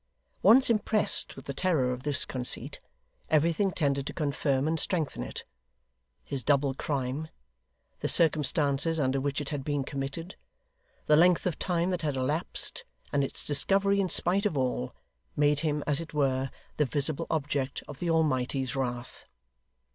Once impressed with the terror of this conceit, everything tended to confirm and strengthen it. His double crime, the circumstances under which it had been committed, the length of time that had elapsed, and its discovery in spite of all, made him, as it were, the visible object of the Almighty's wrath.